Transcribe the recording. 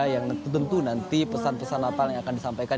yang tentu nanti pesan pesan natal yang akan disampaikan